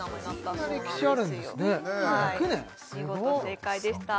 見事正解でした